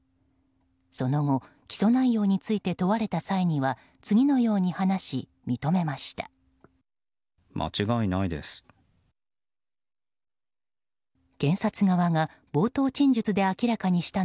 その後、起訴内容について問われた際には次のように話し、認めました。